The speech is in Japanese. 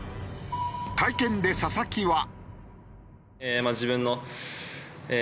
会見で佐々木は。